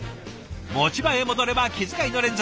持ち場へ戻れば気遣いの連続。